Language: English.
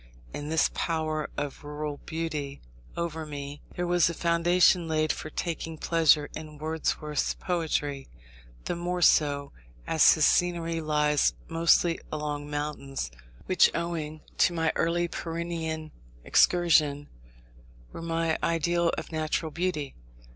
In this power of rural beauty over me, there was a foundation laid for taking pleasure in Wordsworth's poetry; the more so, as his scenery lies mostly among mountains, which, owing to my early Pyrenean excursion, were my ideal of natural beauty.